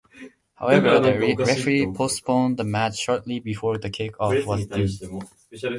However, the referee postponed the match shortly before the kick-off was due.